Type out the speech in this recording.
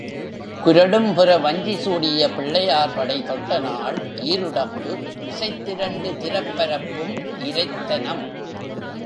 குரொடும்பொர வஞ்சிசூடிய பிள்ளையார்படை தொட்டநாள் ஈருடம்பு மிசைந்திரண்டுதிரப்பரப்பும் இரைத் தனம்.